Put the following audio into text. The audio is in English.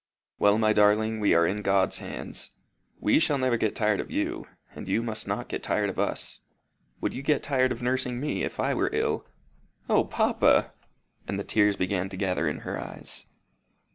"Well, my darling, we are in God's hands. We shall never get tired of you, and you must not get tired of us. Would you get tired of nursing me, if I were ill?" "O, papa!" And the tears began to gather in her eyes.